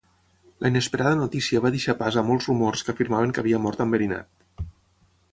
La inesperada notícia va deixar pas a molts rumors que afirmaven que havia mort enverinat.